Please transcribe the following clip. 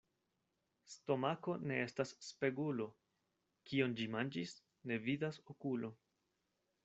Stomako ne estas spegulo: kion ĝi manĝis, ne vidas okulo.